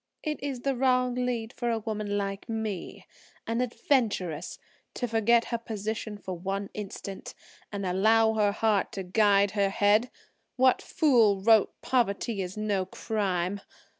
"It is the wrong lead for a woman like me,–an adventuress, to forget her position for one instant and allow her heart to guide her head. What fool wrote 'Poverty is no crime?'